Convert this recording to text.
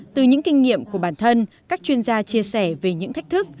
từ những kinh nghiệm của bản thân các chuyên gia chia sẻ về những thách thức